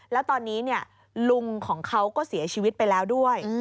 แล้วตอนนี้ลุงของเขาก็เสียชีวิตไปแล้วด้วย